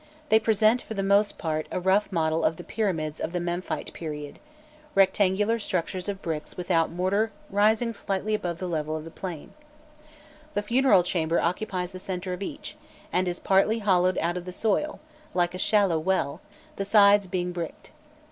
They present for the most part a rough model of the pyramids of the Memphite period rectangular structures of bricks without mortar rising slightly above the level of the plain. The funeral chamber occupies the centre of each, and is partly hollowed out of the soil, like a shallow well, the sides being bricked.